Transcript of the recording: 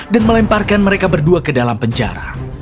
dan melemparkan mereka berdua ke dalam penjara